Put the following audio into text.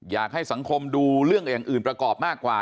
อยากให้สังคมดูเรื่องอย่างอื่นประกอบมากกว่า